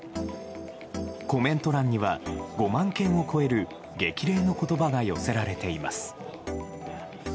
コメント欄には、５万件を超える激励のことばが寄せられています。